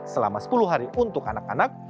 selama sepuluh hari untuk anak anak